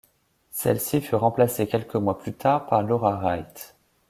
Celle-ci fut remplacée quelques mois plus tard par Laura Wright.